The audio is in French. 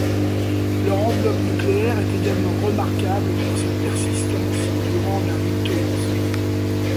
Leur enveloppe nucléaire est également remarquable pour sa persistance durant la mitose.